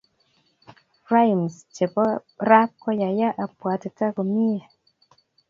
rhymes chepo rap koyaya apuatuta komiei